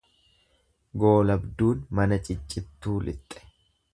Goolabduun mana ciccittuu lixxe.